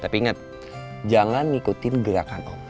tapi ingat jangan ngikutin gerakan om